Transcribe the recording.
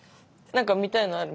何か見たいのある？